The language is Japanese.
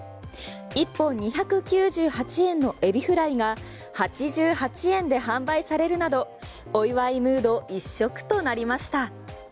１本２９８円のエビフライが８８円で販売されるなどお祝いムード一色となりました。